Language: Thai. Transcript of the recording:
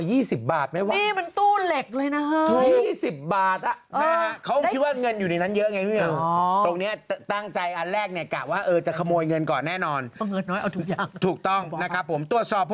อย่าต้องพูดถึงเขานะเขาบอก